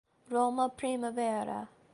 Roma Primavera